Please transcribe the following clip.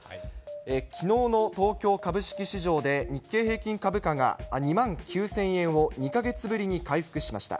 きのうの東京株式市場で、日経平均株価が２万９０００円を２か月ぶりに回復しました。